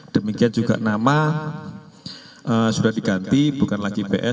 demikian juga nama sudah diganti bukan lagi ps